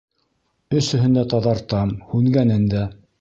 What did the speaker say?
Өсөһөн дә таҙартам, һүнгәнен дә.